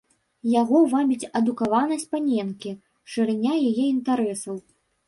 Яго вабіць адукаванасць паненкі, шырыня яе інтарэсаў.